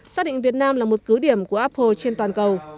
xác định việt nam là một cứ điểm của apple trên toàn cầu